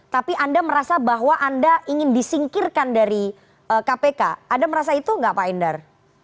tapi anda merasa bahwa anda ingin disingkirkan dari kpk anda merasa itu nggak pak endar